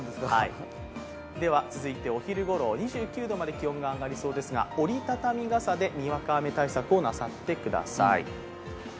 続いて、お昼ごろ２９度まで気温が上がりそうですが折り畳み傘でにわか雨対策をなさってください。